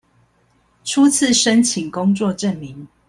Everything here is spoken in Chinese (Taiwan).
初次申請工作證明